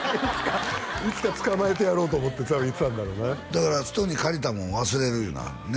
いつか捕まえてやろうと思って見てたんだろうねだから人に借りたもん忘れるいうのはあるね